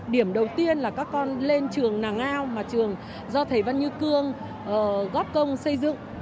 điểm đầu tiên là các con lên trường nàng ngao mà trường do thầy văn như cương góp công xây dựng